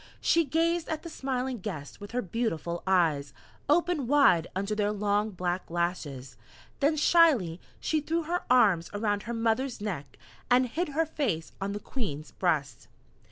She gazed at the smiling guests with her beautiful eyes opened wide under their long, black lashes, then shyly, she threw her arms around her mother's neck and hid her face on the Queen's breast.